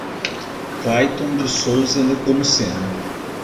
Claiton de Souza Nepomuceno